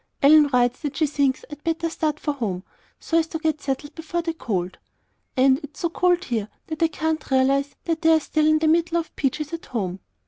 Ellen writes that she thinks I'd better start for home so as to get settled before the cold And it's so cold here that I can't realize that they're still in the middle of peaches at home.